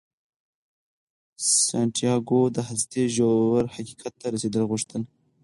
سانتیاګو د هستۍ ژور حقیقت ته رسیدل غوښتل.